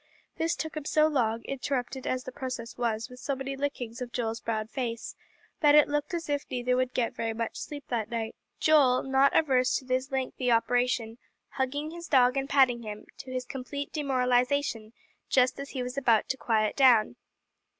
This took him so long, interrupted as the process was with so many lickings of Joel's brown face, that it looked as if neither would get very much sleep that night; Joel, not averse to this lengthy operation, hugging his dog and patting him, to his complete demoralization just as he was about to quiet down.